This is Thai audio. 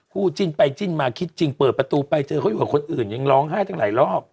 จิ้นไปจิ้นมาคิดจริงเปิดประตูไปเจอเขาอยู่กับคนอื่นยังร้องไห้ทั้งหลายรอบ